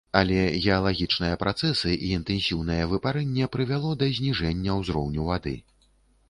Але геалагічныя працэсы і інтэнсіўнае выпарэнне прывяло да зніжэння ўзроўню вады.